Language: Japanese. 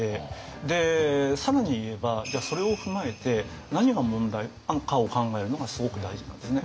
で更に言えばそれを踏まえて何が問題なのかを考えるのがすごく大事なんですね。